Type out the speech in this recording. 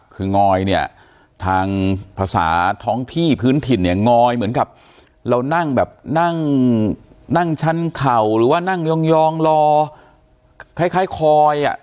คืองอยเนี่ยทางภาษาท้องที่พื้นถิ่นเนี่ยงอยเหมือนกับเรานั่งแบบนั่งชั้นเข่าหรือว่านั่งยองรอคล้ายคอยอ่ะ